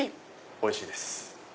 おいしいです。